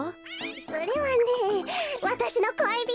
それはねわたしの恋人！